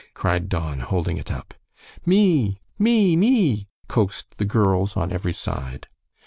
cried Don, holding it up. "Me!" "me!" "me!" coaxed the girls on every side.